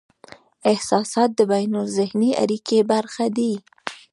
احساسات د بینالذهني اړیکې برخه دي.